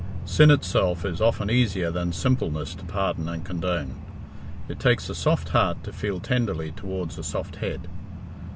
Sin itself is often easier than simpleness to pardon and condone. It takes a soft heart to feel tenderly towards a soft head.